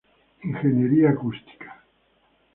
Ingeniería acústica.